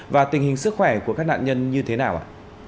và tình hình sức khỏe của các nạn nhân như thế nào ạ